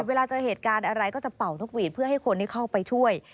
เวลาเจอเหตุการณ์อะไรก็จะเป่านกหวีดเพื่อให้คนที่เข้าไปช่วย